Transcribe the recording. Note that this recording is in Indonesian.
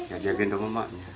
ya dia gendong emaknya